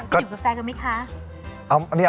ใช่ไปดื่มกาแฟกันไหมคะ